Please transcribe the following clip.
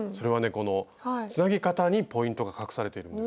このつなぎ方にポイントが隠されているんです。